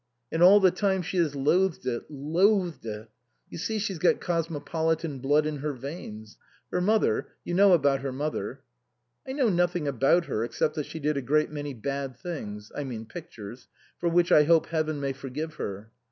" And all the time she has loathed it loathed it. You see she's got cosmopolitan blood in her veins. Her mother you know about her mother ?"" I know nothing about her except that she did a great many bad things I mean pic tures for which I hope Heaven may forgive her."